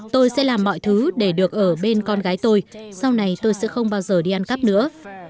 tôi sẽ làm mọi thứ để được ở bên con gái tôi sau này tôi sẽ không bao giờ đi ăn cắp nữa